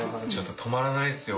止まらないっすよ